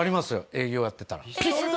営業やってたら。